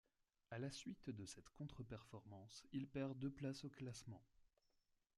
À la suite de cette contre-performance, il perd deux places au classement.